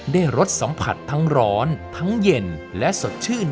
รสสัมผัสทั้งร้อนทั้งเย็นและสดชื่น